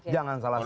jangan salah satu